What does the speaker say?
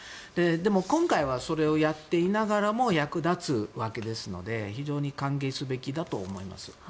でも、今回はそれをやっていながらも役立つわけですので非常に歓迎すべきだと思います。